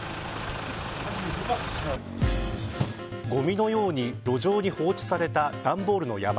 ごみのように路上に放置された段ボールの山。